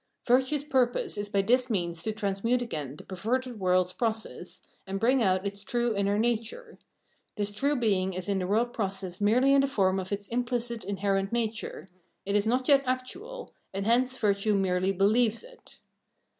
Virtue's purpose is by this', means to transmute again the perverted world's process, ■ and bring out its true inner nature. This true being is , in the world process merely in the form of its imphcit inherent nature ; it is not yet actual ; and hence virtue merely believes it.